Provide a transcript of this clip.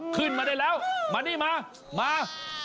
ขึ้นมาได้แล้วมานี่มามา